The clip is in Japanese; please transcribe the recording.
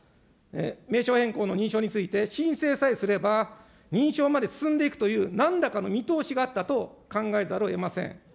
名称変更の認証について、申請さえすれば、認証まで進んでいくという、なんらかの見通しがあったと考えざるをえません。